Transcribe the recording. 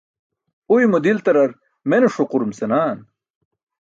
Uymo diltarar mene ṣuqurum senan